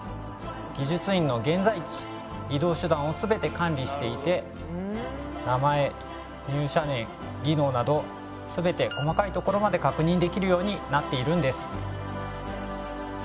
技術員の現在地移動手段を全て管理していて名前入社年技能など全て細かいところまで確認できるようになっているんです。